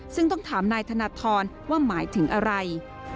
ซึ่งต้องถามนายธนทรว่าหมายถึงอะไร